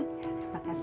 ya terima kasih